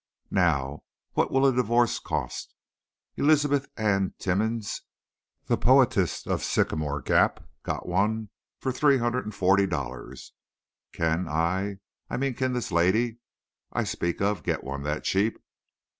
Now, what will a divorce cost? Eliza Ann Timmins, the poetess of Sycamore Gap, got one for three hundred and forty dollars. Can I—I mean can this lady I speak of get one that cheap?"